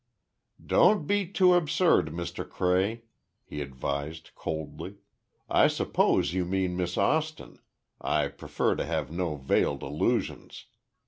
"Don't be too absurd, Mr. Cray," he advised, coldly. "I suppose you mean Miss Austin—I prefer to have no veiled allusions.